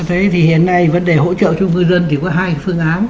thế thì hiện nay vấn đề hỗ trợ cho ngư dân thì có hai phương án